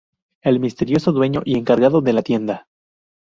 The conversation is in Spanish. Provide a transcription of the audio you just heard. El misterioso dueño y encargado de la tienda.